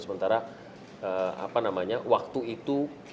sementara apa namanya waktu itu